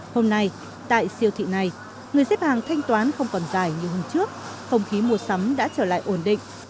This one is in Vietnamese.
hôm nay tại siêu thị này người xếp hàng thanh toán không còn dài như hôm trước không khí mua sắm đã trở lại ổn định